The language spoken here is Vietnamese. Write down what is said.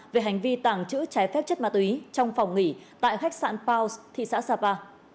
về hành vi tàng trữ trái phép chất ma túy trong phòng nghỉ tại khách sạn paos thị xã sapa